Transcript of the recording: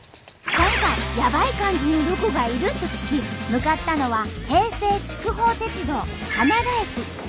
今回ヤバい感じのロコがいると聞き向かったのは平成筑豊鉄道金田駅。